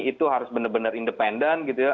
itu harus benar benar independen gitu ya